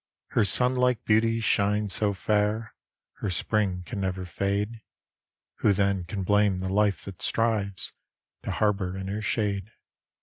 Her Sunne like beauty shines so fayre, Her Spring can never fade; Who then can blame the life that strives To harbour in her shade?